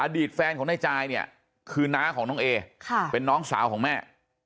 ตแฟนของนายจายเนี่ยคือน้าของน้องเอเป็นน้องสาวของแม่